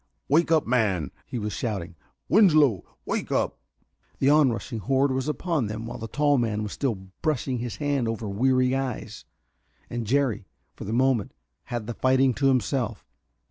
"Wake up, man," he was shouting. "Winslow wake up!" The onrushing horde was upon them while the tall man was still brushing his hand over weary eyes, and Jerry, for the moment, had the fighting to himself.